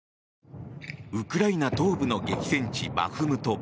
ウクライナ東部の激戦地バフムト。